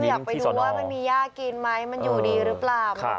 อยากไปดูว่ามันมีย่ากินไหมมันอยู่ดีหรือเปล่า